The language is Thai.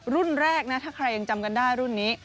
รุ่นแรกนะถ้าใครยังจำกันได้รุ่นนี้